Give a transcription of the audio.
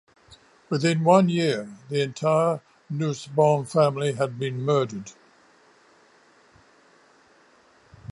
Within one year, the entire Nussbaum family had been murdered.